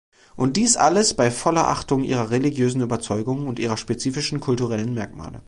Und dies alles bei voller Achtung ihrer religiösen Überzeugungen und ihrer spezifischen kulturellen Merkmale.